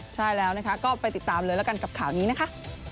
ใช่แล้วนะคะก็ไปติดตามเลยแล้วกันกับข่าวนี้นะคะ